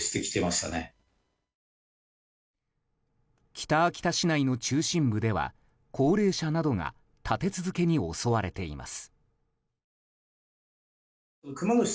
北秋田市内の中心部では高齢者などが立て続けに襲われています。